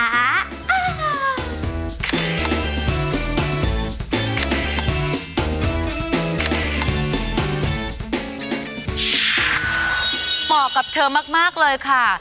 เหมาะกับเธอมากเลยค่ะ